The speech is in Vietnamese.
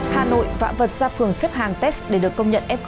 hà nội vãn vật ra phường xếp hàng test để được công nhận f